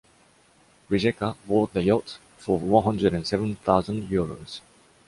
Rijeka bought the yacht for one hundred and seven thousand euros.